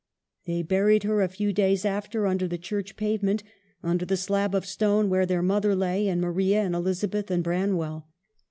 They buried her, a few days after, under the church pavement ; under the slab of stone where their mother lay, and Maria and Elizabeth and Branwell.